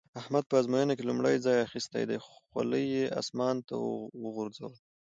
احمد په ازموينه کې لومړی ځای اخيستی دی؛ خولۍ يې اسمان ته وغورځوله.